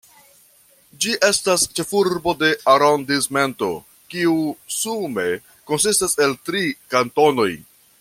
Ĝi estas ĉefurbo de arondismento, kiu sume konsistas el tri kantonoj.